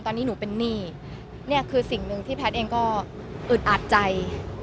ตอนนี้หนูเป็นหนี้เนี่ยคือสิ่งหนึ่งที่แพทย์เองก็อึดอัดใจ